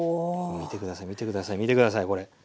見て下さい見て下さい見て下さいこれ。